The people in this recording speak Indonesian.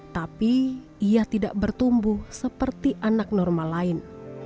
tapi ia tidak bertumbuh seperti anak normal lain